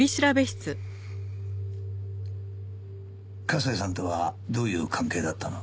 笠井さんとはどういう関係だったの？